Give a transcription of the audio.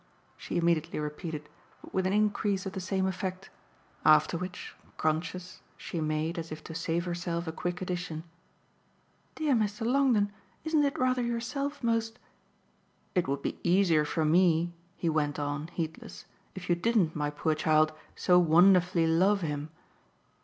she immediately repeated, but with an increase of the same effect. After which, conscious, she made, as if to save herself, a quick addition. "Dear Mr. Longdon, isn't it rather yourself most ?" "It would be easier for me," he went on, heedless, "if you didn't, my poor child, so wonderfully love him."